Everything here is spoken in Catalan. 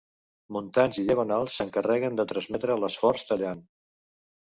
Muntants i diagonals s'encarreguen de transmetre l'esforç tallant.